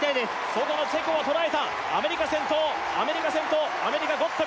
外のチェコをとらえたアメリカ先頭アメリカ先頭アメリカゴッド